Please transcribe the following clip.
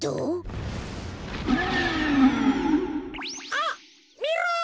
あっみろ！